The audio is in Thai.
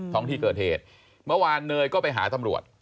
ท้องที่เกิดเหตุเมื่อวานเนยก็ไปหาตำรวจ